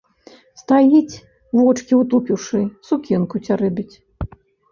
Стаіць, вочкі ўтупіўшы, сукенку цярэбіць.